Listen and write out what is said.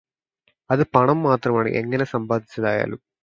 അത് പണം മാത്രമാണ് എങ്ങനെ സമ്പാദിച്ചതായാലും